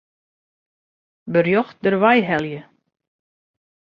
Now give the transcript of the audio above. Berjocht dêrwei helje.